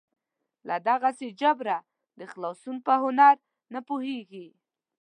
له دغسې جبره د خلاصون په هنر نه پوهېږي.